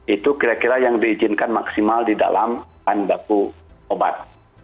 itu kira kira yang diizinkan maksimal di dalam bahan baku obat